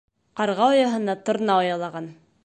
Ҡарға ояһына торна оялаған.